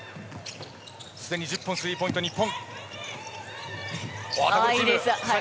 すでに１０本スリーポイント日本。